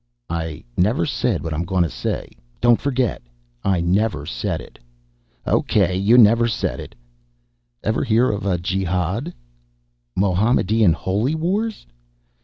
"I never said what I'm gonna say. Don't forget I never said it." "Okay, you never said it." "Ever hear of a jehad?" "Mohammedan holy wars."